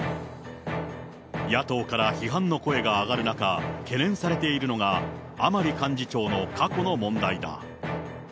野党から批判の声が上がる中、懸念されているのが、甘利幹事長の過去の問題だ。